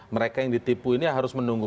mereka yang ditipu ini harus menunggu